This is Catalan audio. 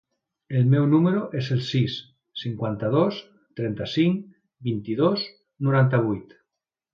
El meu número es el sis, cinquanta-dos, trenta-cinc, vint-i-dos, noranta-vuit.